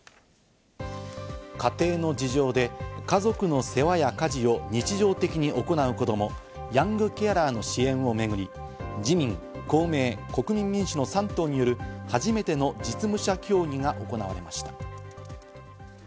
家庭の事情で家族の世話や家事を日常的に行う子供、ヤングケアラーの支援をめぐり、自民・公明・国民民主の３党による初めての実務者協議が行われました。